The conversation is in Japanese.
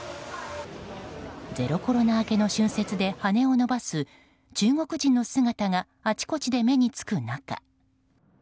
ゼロコロナ明けの春節で羽を伸ばす中国人の姿があちこちで目に付く中。